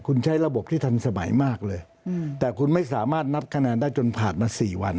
คุณใช้ระบบที่ทันสมัยมากเลยแต่คุณไม่สามารถนับคะแนนได้จนผ่านมา๔วัน